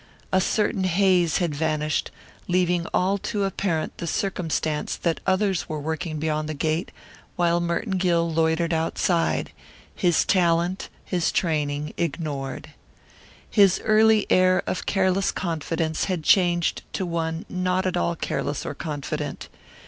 A certain haze had vanished, leaving all too apparent the circumstance that others were working beyond the gate while Merton Gill loitered outside, his talent, his training, ignored. His early air of careless confidence had changed to one not at all careless or confident.